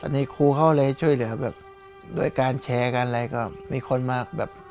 ในครูเขาเลยช่วยเหลือแบบด้วยการแชร์การอะไรก็มีคนมาแบบ